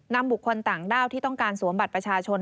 บุคคลต่างด้าวที่ต้องการสวมบัตรประชาชน